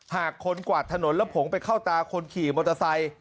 หากคนกวาดถนนแล้วผงไปเข้าตาคนขี่มอเตอร์ไซค์